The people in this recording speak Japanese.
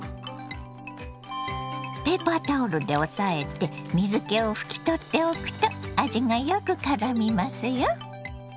ペーパータオルで押さえて水けを拭き取っておくと味がよくからみますよ。